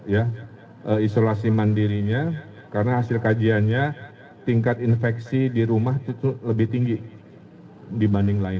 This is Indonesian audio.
ya isolasi mandirinya karena hasil kajiannya tingkat infeksi di rumah itu lebih tinggi dibanding lain